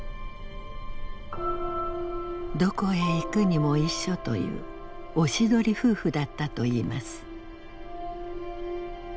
どこへ行くにも一緒というおしどり夫婦だったといいます。